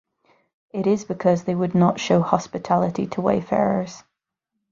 It is because they would not show hospitality to wayfarers.